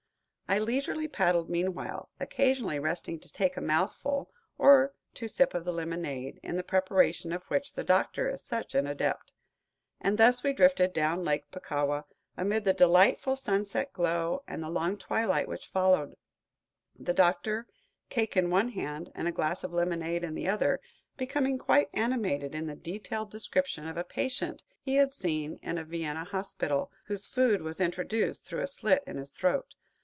I leisurely paddled meanwhile, occasionally resting to take a mouthful or to sip of the lemonade, in the preparation of which the Doctor is such an adept. And thus we drifted down Lake Puckawa, amid the delightful sunset glow and the long twilight which followed, the Doctor, cake in one hand and a glass of lemonade in the other, becoming quite animated in a detailed description of a patient he had seen in a Vienna hospital, whose food was introduced through a slit in his throat.